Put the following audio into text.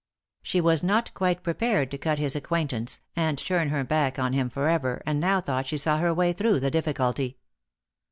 She was not quite prepared to cut his acquaintance, and turn her back on him forever, and now thought she saw her way through the difficulty.